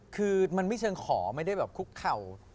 คือมันไม่เชิงขอไม่ได้แบบคุกเข่า